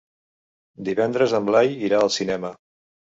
Divendres en Blai irà al cinema.